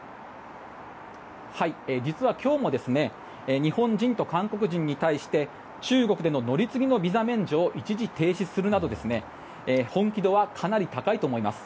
実は今日も日本人と韓国人に対して中国での乗り継ぎのビザ免除を一時停止するなど本気度はかなり高いと思います。